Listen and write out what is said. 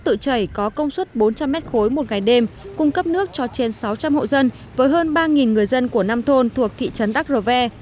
nước tự chảy có công suất bốn trăm linh mét khối một ngày đêm cung cấp nước cho trên sáu trăm linh hộ dân với hơn ba người dân của năm thôn thuộc thị trấn đắk rô vê